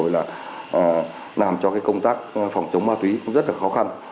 làm cho công tác phòng chống ma túy rất khó khăn